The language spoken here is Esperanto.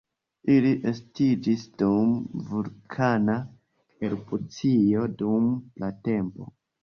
Ili estiĝis dum vulkana erupcio dum pratempo.